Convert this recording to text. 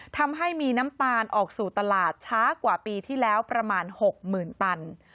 ทำให้มีน้ำตาลออกสู่ตลาดช้ากว่าปีที่แล้วประมาณ๖๐๐๐ตัน